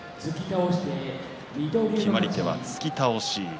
決まり手は突き倒し。